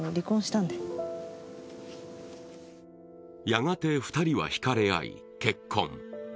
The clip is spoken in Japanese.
やがて２人はひかれ合い、結婚。